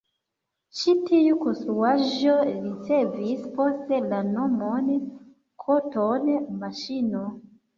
Ĉi tiu konstruaĵo ricevis poste la nomon „koton-maŝino“.